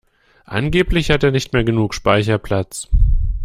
Angeblich hat er nicht mehr genug Speicherplatz.